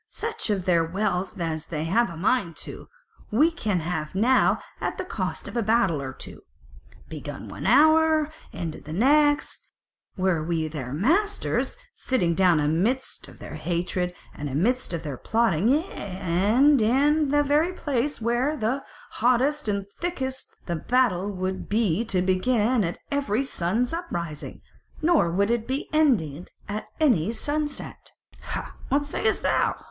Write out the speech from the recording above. "Such of their wealth as we have a mind to, we can have now at the cost of a battle or two, begun one hour and ended the next: were we their masters sitting down amidst of their hatred, and amidst of their plotting, yea, and in the very place where that were the hottest and thickest, the battle would be to begin at every sun's uprising, nor would it be ended at any sunset. Hah! what sayest thou?"